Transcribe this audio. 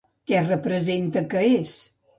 Què representa que és?